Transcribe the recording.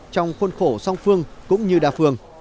trong khuôn khổ song phương cũng như đa phương